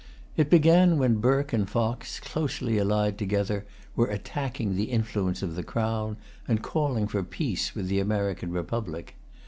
It began when Burke and Fox, closely allied together, were attacking the influence of the Crown, and calling for peace with the American republic.